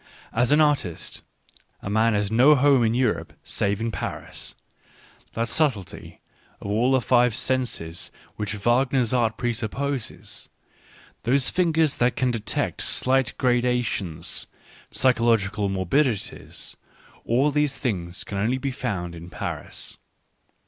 ... As an artist, a man has no home in Europe save in Paris ; that subtlety of all the five senses which Wagner's art presupposes, those fingers that can de tect slight gradations, psychological morbidity — all these things can be found only in Paris.